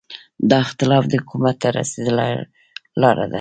دا اختلاف د حکومت ته رسېدو لاره ده.